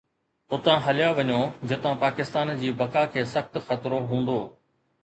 اتان هليا وڃو جتان پاڪستان جي بقا کي سخت خطرو هوندو